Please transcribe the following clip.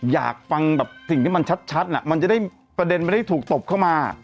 อยากฟังแบบสิ่งที่มันชัดมันจะได้ประเด็นมันได้ถูกตบเข้ามา